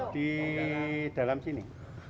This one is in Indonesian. di dalam sini